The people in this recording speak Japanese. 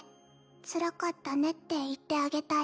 つらかったね」って言ってあげたい。